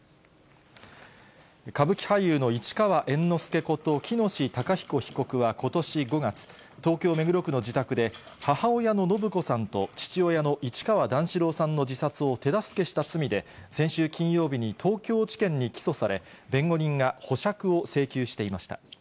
歌舞伎俳優の市川猿之助こと喜熨斗孝彦被告はことし５月、東京・目黒区の自宅で、母親の延子さんと父親の市川段四郎さんの自殺を手助けした罪で、先週金曜日に東京地検に起訴され、弁護人が保釈を請求していました。